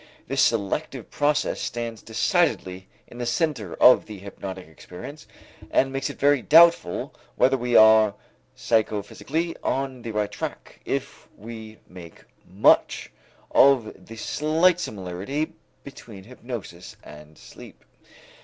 This selective process stands decidedly in the center of the hypnotic experience and makes it very doubtful whether we are psychophysically on the right track, if we make much of the slight similarity between hypnosis and sleep.